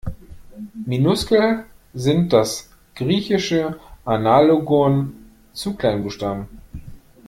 Minuskel sind das griechische Analogon zu Kleinbuchstaben.